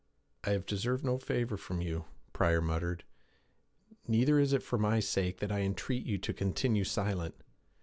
'I have deserved no favor from you,' Pryor muttered; 'neither is it for my sake that I entreat you to continue silent.